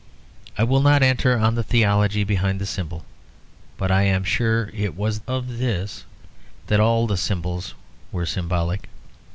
I will not enter on the theology behind the symbol; but I am sure it was of this that all the symbols were symbolic.